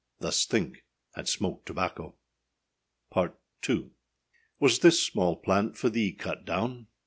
Thus think, and smoke tobacco. PART II. Was this small plant for thee cut down?